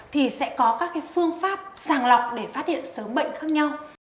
thì sẽ có các phương pháp sàng lọc để phát hiện sớm bệnh khác nhau